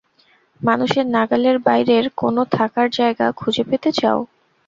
মানুষের নাগালের বাইরের কোনো থাকার জায়গা খুঁজে পেতে চাও?